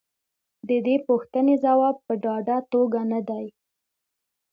د دې پوښتنې ځواب په ډاډه توګه نه دی.